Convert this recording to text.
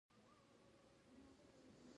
د استاد چاړه په لاس کې